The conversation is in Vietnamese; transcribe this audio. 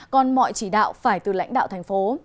còn mọi chỉ đạo phải từ lãnh đạo thành phố